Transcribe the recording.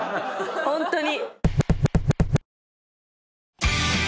ホントに。